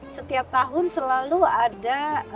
setiap tahun selalu ada